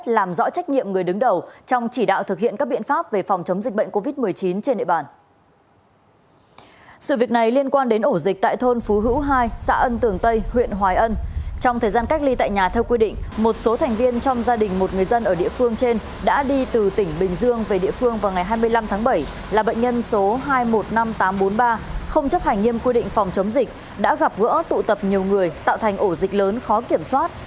là bệnh nhân số hai trăm một mươi năm nghìn tám trăm bốn mươi ba không chấp hành nghiêm quy định phòng chống dịch đã gặp gỡ tụ tập nhiều người tạo thành ổ dịch lớn khó kiểm soát